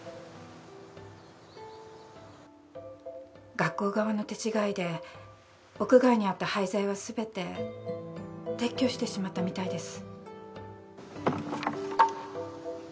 学校側の手違いで屋外にあった廃材はすべて撤去してしまったみたいです。